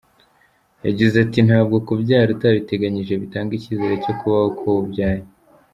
Yagize ati “Ntabwo kubyara utabiteganyije bitanga icyizere cyo kubaho k’uwo ubyaye.